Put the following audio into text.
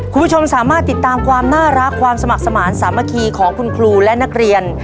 คุณผู้ชมสามารถติดตามความน่ารักความสมัครสมาธิสามัคคีของคุณครูและนักเรียน